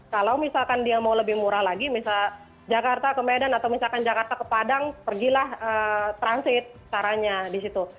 kalau misalkan dia mau lebih murah lagi misal jakarta ke medan atau misalkan jakarta ke padang pergilah transit caranya di situ